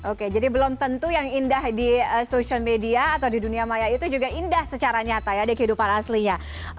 oke jadi belum tentu yang indah di social media atau di dunia maya itu juga indah secara nyata ya di kehidupan aslinya